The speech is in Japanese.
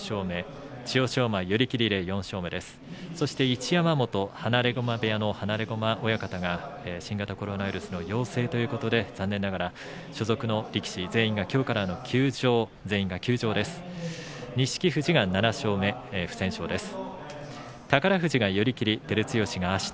一山本放駒部屋の放駒親方が新型コロナウイルスの陽性ということで残念ながら所属の力士全員がきょうからの休場です。